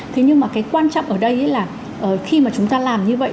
thế nhưng mà cái quan trọng ở đây là khi mà chúng ta làm như vậy